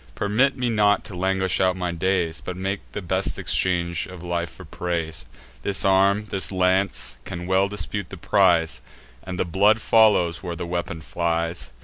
Permit me not to languish out my days, But make the best exchange of life for praise. This arm, this lance, can well dispute the prize; And the blood follows, where the weapon flies.